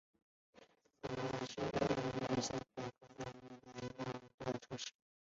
哈蒂格是一个位于美国阿肯色州犹尼昂县的城市。